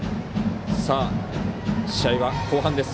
試合は後半です。